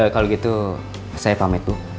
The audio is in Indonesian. kalau begitu saya pamit bu